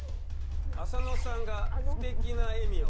浅野さんが不敵な笑みを。